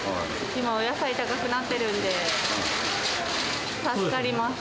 今、お野菜高くなってるんで、助かります。